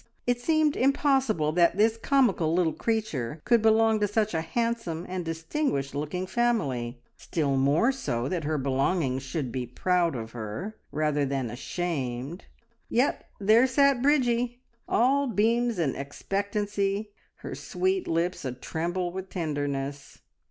It seemed impossible that this comical little creature could belong to such a handsome and distinguished looking family, still more so that her belongings should be proud of her rather than ashamed, yet there sat Bridgie all beams and expectancy, her sweet lips a tremble with tenderness.